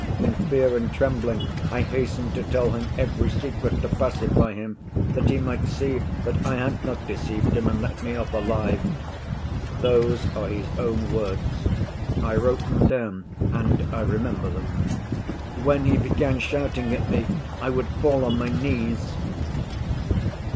In fear and trembling I hastened to tell him every secret to pacify him, that he might see that I had not deceived him and let me off alive.' Those are his own words. I wrote them down and I remember them. 'When he began shouting at me, I would fall on my knees.